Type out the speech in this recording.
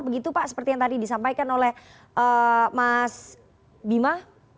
begitu pak seperti yang tadi disampaikan oleh mas bima